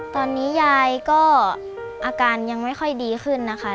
ตอนนี้ยายก็อาการยังไม่ค่อยดีขึ้นนะคะ